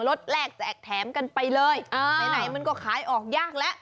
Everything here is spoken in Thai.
รถแรกแจกแถมกันไปเลยไหนมันก็ขายออกยากแล้ว